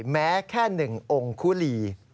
แม้แค่หนึ่งองคุลี